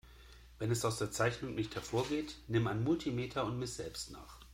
Wenn es aus der Zeichnung nicht hervorgeht, nimm ein Multimeter und miss selbst nach.